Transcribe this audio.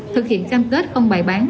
thực hiện cam kết không bài bán